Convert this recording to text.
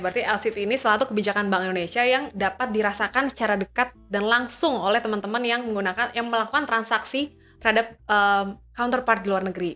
berarti lct ini salah satu kebijakan bank indonesia yang dapat dirasakan secara dekat dan langsung oleh teman teman yang melakukan transaksi terhadap counter part di luar negeri